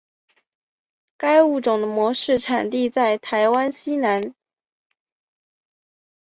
该物种的模式产地在台湾西南。